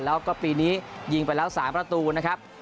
แล้วก็ปีนี้ยิงไปแล้ว๓ประตูนะครับ